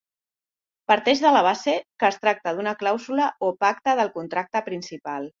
Parteix de la base que es tracta d'una clàusula o pacte del contracte principal.